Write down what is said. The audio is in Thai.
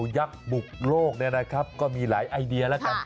ยักษ์บุกโลกเนี่ยนะครับก็มีหลายไอเดียแล้วกัน